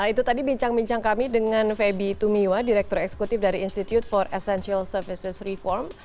nah itu tadi bincang bincang kami dengan feby tumiwa direktur eksekutif dari institute for essential services reform